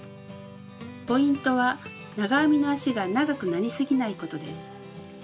ポイントは長編みの足が長くなりすぎないことです。